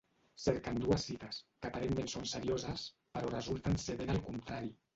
Cerquen dues cites, que aparentment són serioses, però resulten ser ben al contrari.